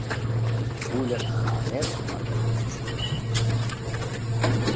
Vull anar a Amer a peu.